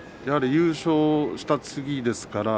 優勝した次です。